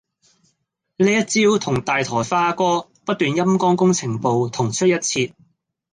呢一招同大台花哥不斷陰乾工程部同出一轍